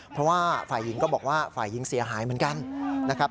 เพราะว่าฝ่ายหญิงก็บอกว่าฝ่ายหญิงเสียหายเหมือนกันนะครับ